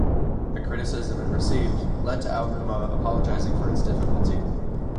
The criticism it received lead to Aonuma apologizing for its difficulty.